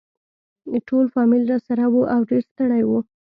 ټول فامیل راسره وو او ډېر ستړي وو.